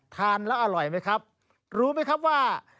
ทานแล้วอร่อยไหมครับรู้ไหมครับว่า